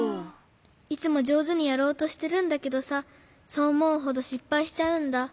いつもじょうずにやろうとしてるんだけどさそうおもうほどしっぱいしちゃうんだ。